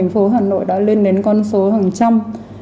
bệnh viện công an thành phố hà nội đã lên đến con số hàng trăm